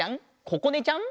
ここねちゃん。